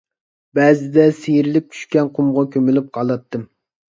بەزىدە سىيرىلىپ چۈشكەن قۇمغا كۆمۈلۈپ قالاتتىم.